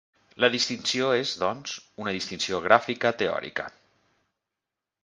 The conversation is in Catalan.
La distinció és doncs una distinció gràfica teòrica.